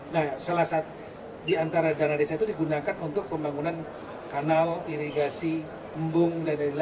nah salah satu di antara dana desa itu digunakan untuk pembangunan kanal irigasi pembangunan